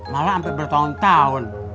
malah hampir bertahun tahun